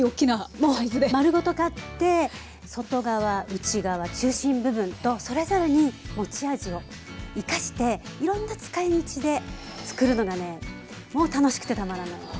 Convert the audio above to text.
もう丸ごと買って外側内側中心部分とそれぞれに持ち味を生かしていろんな使いみちでつくるのがねもう楽しくてたまらないです。